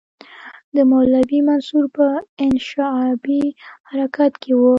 د مولوي منصور په انشعابي حرکت کې وو.